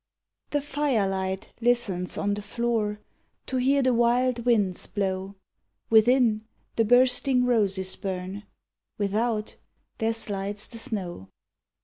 The firelight listens on the floor To hear the wild winds blow. Within, the bursting roses burn, Without, there slides the snow.